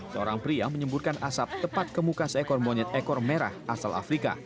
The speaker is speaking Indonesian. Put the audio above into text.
seorang pria menyemburkan asap tepat ke muka seekor monyet ekor merah asal afrika